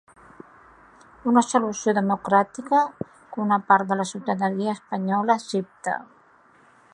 Una solució democràtica que una part de la ciutadania espanyola accepta.